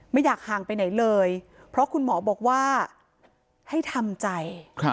ไม่อยากห่างไปไหนเลยเพราะคุณหมอบอกว่าให้ทำใจ